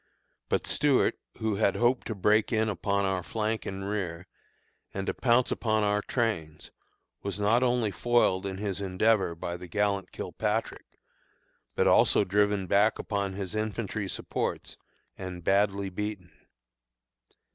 But Stuart, who had hoped to break in upon our flank and rear, and to pounce upon our trains, was not only foiled in his endeavor by the gallant Kilpatrick, but also driven back upon his infantry supports, and badly beaten.